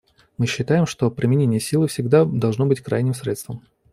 Мы считаем, что применение силы всегда должно быть крайним средством.